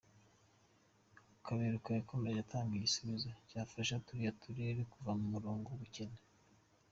Kaberuka yakomeje atanga igisubizo cyafasha turiya turere kuva mu murongo w’ubukene.